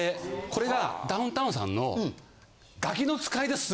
これがダウンタウンさんの。